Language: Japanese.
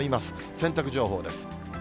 洗濯情報です。